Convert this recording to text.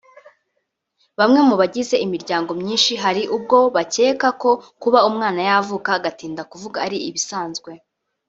Bamwe mu bagize imiryango myinshi hari ubwo bakeka ko kuba umwana yavuka agatinda kuvuga ari ibisanzwe